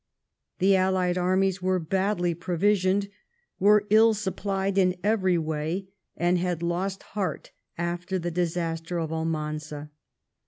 The allied armies were badly provisioned, were ill supplied in every way, and had lost heart after the disaster of Almanza